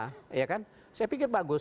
saya pikir bagus